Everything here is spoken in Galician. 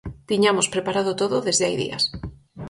Tiñamos preparado todo desde hai días.